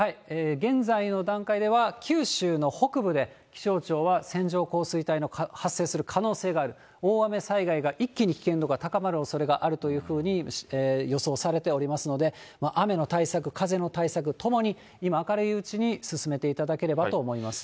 現在の段階では、九州の北部で、気象庁は線状降水帯の発生する可能性がある、大雨災害が一気に危険度が高まるおそれがあるというふうに予想されておりますので、雨の対策、風の対策ともに今、明るいうちに進めていただければと思います。